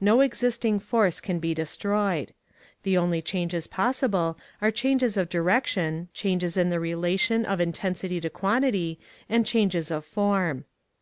No existing force can be destroyed. The only changes possible are changes of direction, changes in the relation of intensity to quantity, and changes of form.